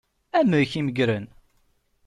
Amek i meggren?